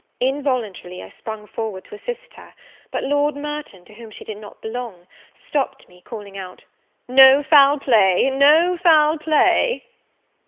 Involuntarily, I sprung forward to assist her; but Lord Merton, to whom she did not belong, stopped me, calling out, "No foul play! No foul play!"